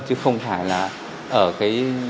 chứ không phải là ở cái